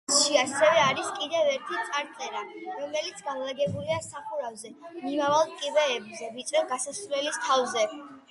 მასში ასევე არის კიდევ ერთი წარწერა, რომელიც განლაგებულია სახურავზე მიმავალ კიბეებზე ვიწრო გასასვლელის თავზე.